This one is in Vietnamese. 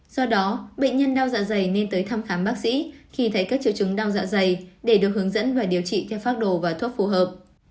do đó bệnh nhân đau dạ dày nên tới thăm khám bác sĩ khi thấy các triệu chứng đau dạ dày để được hướng dẫn và điều trị theo pháp đồ và thuốc phù hợp